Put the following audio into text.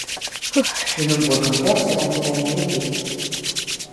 De nombreux campeurs s'y rendent également l'été.